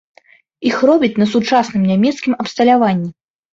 Іх робяць на сучасным нямецкім абсталяванні.